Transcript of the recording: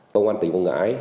công an tỉnh vùng ngãi